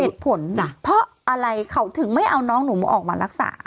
เหตุผลจ้ะเพราะอะไรเขาถึงไม่เอาน้องหนูมาออกมารักษา